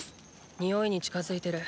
臭いに近づいてる。